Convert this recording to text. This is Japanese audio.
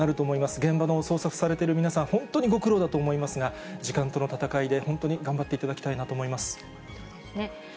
現場の捜索されている皆さん、本当にご苦労だと思いますが、時間との闘いで、本当に頑張ってそうですね。